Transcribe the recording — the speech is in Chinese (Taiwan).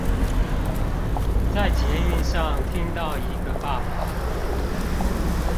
在捷運上聽到一個爸爸